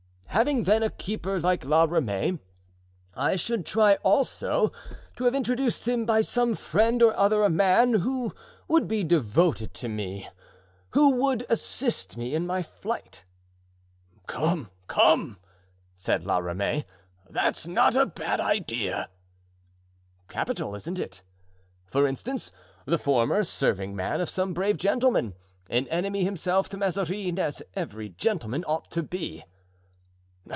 "Having, then, a keeper like La Ramee, I should try also to have introduced to him by some friend or other a man who would be devoted to me, who would assist me in my flight." "Come, come," said La Ramee, "that's not a bad idea." "Capital, isn't it? for instance, the former servingman of some brave gentleman, an enemy himself to Mazarin, as every gentleman ought to be."